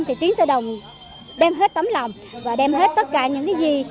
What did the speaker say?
thì tiến tơ đồng đem hết tấm lòng và đem hết tất cả những gì